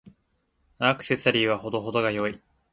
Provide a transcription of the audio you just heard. アクセサリーは程々が良い。